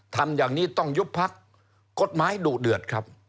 ทำอย่างนี้ต้องยุบพักกฎหมายดุเดือดครับ